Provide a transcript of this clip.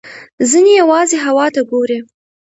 ځینې یوازې هوا ته ګوري.